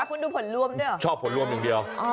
คุณดูผลรวมด้วยเหรอชอบผลรวมอย่างเดียว